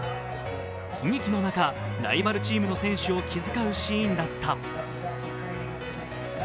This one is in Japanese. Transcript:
悲劇の中、ライバルチームの選手を気遣うシーンだった。